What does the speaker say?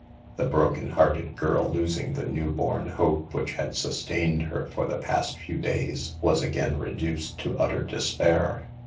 The broken hearted girl, losing the new born hope which had sustained her for the past few days, was again reduced to utter despair.